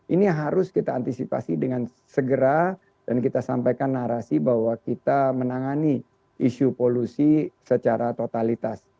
ini harus kita antisipasi dengan segera dan kita sampaikan narasi bahwa kita menangani isu polusi secara totalitas